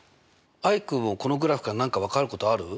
アイクもこのグラフから何か分かることある？